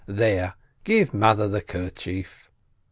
There — give mother the kerchief!"